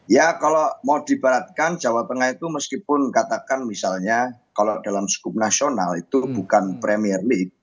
ya kalau mau dibaratkan jawa tengah itu meskipun katakan misalnya kalau dalam skup nasional itu bukan premier league